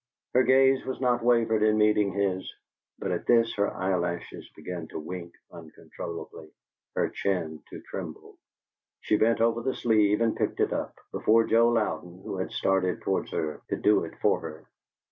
Her gaze had not wavered in meeting his, but at this her eyelashes began to wink uncontrollably, her chin to tremble. She bent over the sleeve and picked it up, before Joe Louden, who had started towards her, could do it for her.